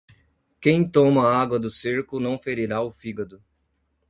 Quem toma a água do cerco não ferirá o fígado.